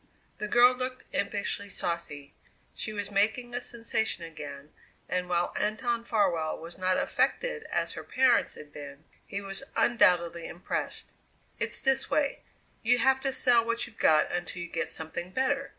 The girl looked impishly saucy. She was making a sensation again and, while Anton Farwell was not affected as her parents had been, he was undoubtedly impressed. "It's this way: You have to sell what you've got until you get something better.